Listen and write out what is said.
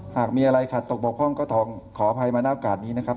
หากมีอะไรขาดตกบกพร่องก็ต้องขออภัยมาหน้าโอกาสนี้นะครับ